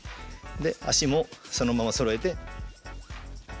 で足もそのままそろえて。